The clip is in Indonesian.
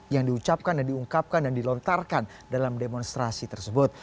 yang diucapkan dan diungkapkan dan dilontarkan dalam demonstrasi tersebut